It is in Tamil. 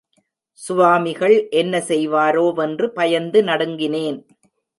சுவாமிகள் என்ன செய்வாரோ வென்று பயந்து நடுங்கினேன்.